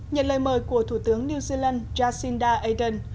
nhận lời mời của thủ tướng new zealand jacinda ardern